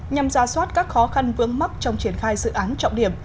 nhằm giả soát các khó khăn vướng mắt trong triển khai dự án trọng điểm